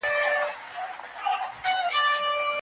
مجاهدین د حق په لاره کي په اتحاد ولاړ وه.